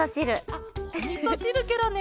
あっおみそしるケロね。